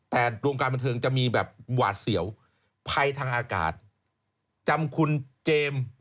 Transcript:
แต่วงการบันเทิงจะมีแบบหวาดเสียวภัยทางอากาศจำคุณเจมส์